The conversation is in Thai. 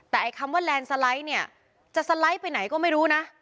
แต่ไอ้คำว่าแลนด์สไลด์เนี่ยจะสไลด์ไปไหนก็ไม่รู้นะ